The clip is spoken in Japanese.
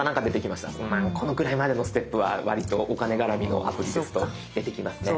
まあこのくらいまでのステップはわりとお金絡みのアプリですと出てきますね。